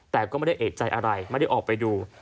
แต่ก็ไม่ได้เอกใจอะไรไม่ได้ออกไปดู